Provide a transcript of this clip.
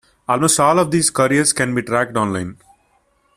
Almost all of these couriers can be tracked online.